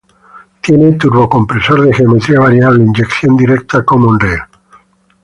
Tiene turbocompresor de geometría variable, inyección directa common-rail.